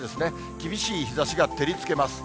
厳しい日ざしが照りつけます。